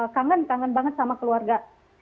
kangen kangen banget sama keluarga